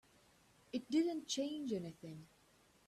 It didn't change anything.